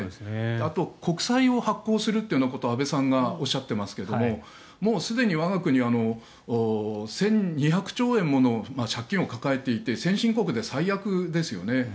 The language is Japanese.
あと国債を発行するということを安倍さんがおっしゃっていますがもうすでに我が国は１２００兆円もの借金を抱えていて先進国で最悪ですよね。